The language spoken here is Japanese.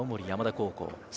青森山田高校。